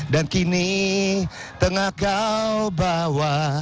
dan kini tengah kau bawa